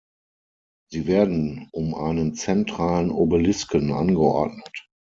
Sie werden um einen zentralen Obelisken angeordnet.